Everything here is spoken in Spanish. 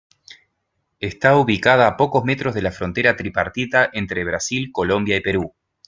Está ubicada a pocos metros de la frontera tripartita entre Brasil, Colombia y Perú.